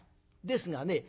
ですがね